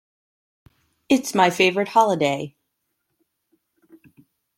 It's my favorite holiday.